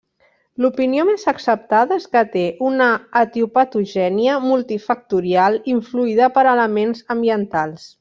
L'opinió més acceptada és que té una etiopatogènia multifactorial influïda per elements ambientals.